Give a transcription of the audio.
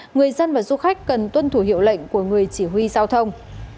người dân và du khách cần tuân thủ hiệu lệnh của người chỉ huy giao thông